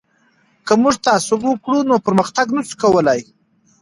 که موږ تعصب وکړو نو پرمختګ نه سو کولای.